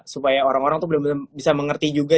supaya orang orang tuh bisa mengerti juga